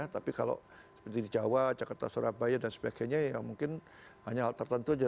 tapi kalau seperti di jawa jakarta surabaya dan sebagainya ya mungkin hanya hal tertentu saja